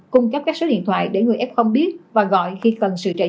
cung cấp các số điện thoại để người f biết và gọi khi cần sự trợ giúp